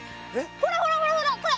ほらほらほらほらこれ！